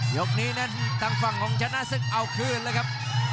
ยกนี้นั้นทางฝั่งของชนะศึกเอาคืนแล้วครับ